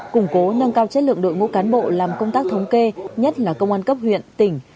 củng cố nâng cao chất lượng đội ngũ cán bộ làm công tác thống kê nhất là công an cấp huyện tỉnh